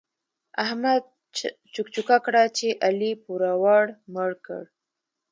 احمد چوک چوکه کړه چې علي پوروړو مړ کړ.